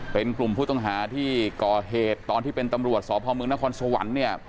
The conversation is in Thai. เป็นกลุ่มผู้ต้องหาที่ก่อเหตุตอนที่เป็นตำรวจสพมนครสวรรค์เนี่ย